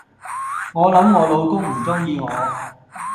我諗我老公唔鍾意我